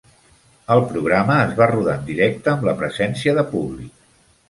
El programa es va rodar en directe amb la presència de públic.